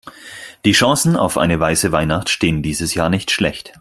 Die Chancen auf eine weiße Weihnacht stehen dieses Jahr nicht schlecht.